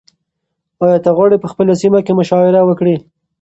ایا ته غواړې په خپله سیمه کې مشاعره وکړې؟